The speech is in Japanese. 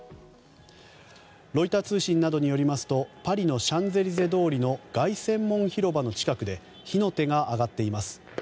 ロイター通信などによりますとパリのシャンゼリゼ通りの凱旋門広場の近くで火の手が上がっています。